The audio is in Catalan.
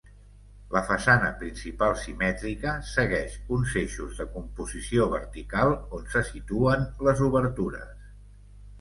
La façana principal simètrica segueix uns eixos de composició vertical on se situen les obertures.